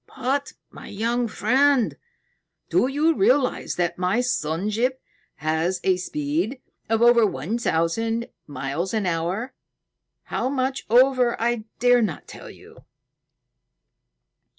"But, my young friend, do you realize that my sun ship has a speed of over one thousand miles an hour, how much over I dare not tell you?"